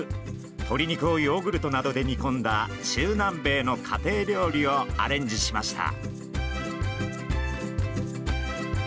鶏肉をヨーグルトなどで煮込んだ中南米の家庭料理をアレンジしました。